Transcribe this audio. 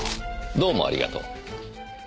どうもありがとう。